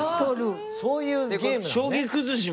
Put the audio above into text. そういうゲームなのね。